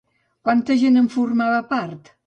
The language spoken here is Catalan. Quanta gent en formava part?